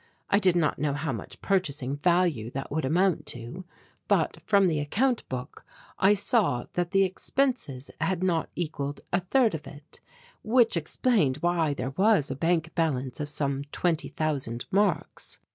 I did not know how much purchasing value that would amount to, but from the account book I saw that the expenses had not equalled a third of it, which explained why there was a bank balance of some twenty thousand marks.